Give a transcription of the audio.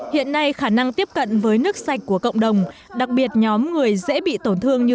hiện nay khả năng tiếp cận với nước sạch của cộng đồng đặc biệt nhóm người dễ bị tổn thương như